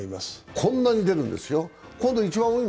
こんなに出るんですよ。